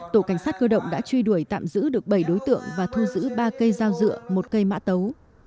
tổ cảnh sát cơ động đã truy đuổi tạm giữ được bảy đối tượng và thu giữ ba cây dao dựa một cây mã tấu